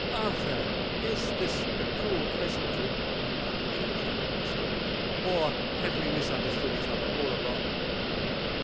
Arthur! is this a cruel pleasantry?" demanded Georgiana hysterically; "or have we misunderstood each other all along?"